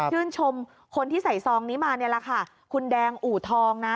ชื่นชมคนที่ใส่ซองนี้มาเนี่ยแหละค่ะคุณแดงอู่ทองนะ